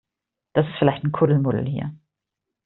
Das ist vielleicht ein Kuddelmuddel hier.